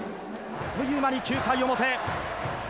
あっという間に９回表。